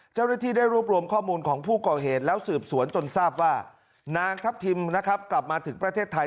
เจ้าหน้าที่ได้รวบรวมข้อมูลของผู้ก่อเหตุแล้วสืบสวนจนทราบว่านางทัพทิมนะครับกลับมาถึงประเทศไทย